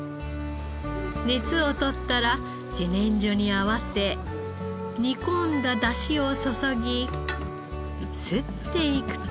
熱をとったら自然薯に合わせ煮込んだ出汁を注ぎすっていくと。